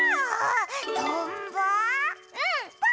うん！